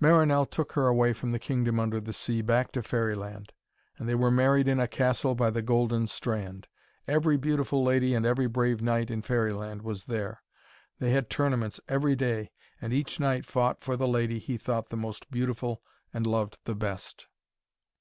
Marinell took her away from the kingdom under the sea back to Fairyland, and they were married in a castle by the golden strand. Every beautiful lady and every brave knight in Fairyland was there. They had tournaments every day, and each knight fought for the lady he thought the most beautiful and loved the best.